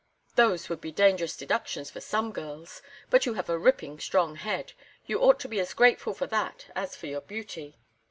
"Those would be dangerous deductions for some girls, but you have a ripping strong head. You ought to be as grateful for that as for your beauty."